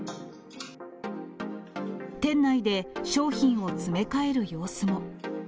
店内で商品を詰め替える様子も。